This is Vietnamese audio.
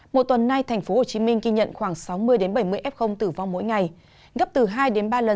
một tuần nay tp hcm ghi nhận khoảng sáu mươi bảy mươi f tử vong mỗi ngày